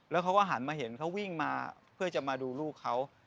แล้วเขาก็หันมาเห็นเขาวิ่งมาเพื่อจะมาดูลูกเขา